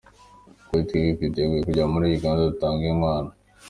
Kuri twebwe twiteguye kujya muri Uganda dutange inkwano…”.